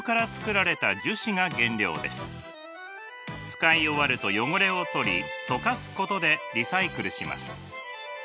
使い終わると汚れを取り溶かすことでリサイクルします。